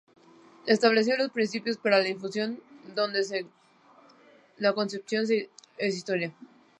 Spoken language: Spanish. El estableció los principios para la difusión de la nueva concepción de historia.